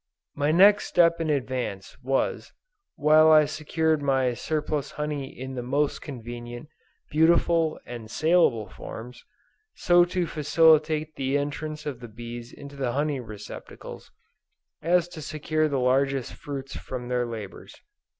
My next step in advance, was, while I secured my surplus honey in the most convenient, beautiful and salable forms, so to facilitate the entrance of the bees into the honey receptacles, as to secure the largest fruits from their labors.